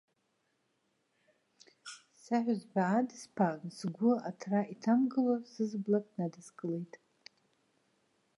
Саҳәызба аадсԥаан, сгәы аҭра иҭамгыло сызблак надыскылеит.